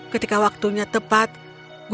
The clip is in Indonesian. ketika waktunya tepat gunakan perhatianmu